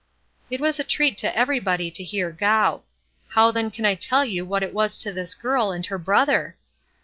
It is a treat to everybody to hear Gough. How then can I tell you what it was to this girl and her brother?